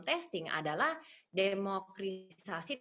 testing adalah demokrisasi